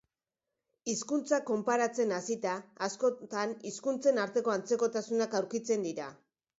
Hizkuntzak konparatzen hasita, askotan hizkuntzen arteko antzekotasunak aurkitzen dira.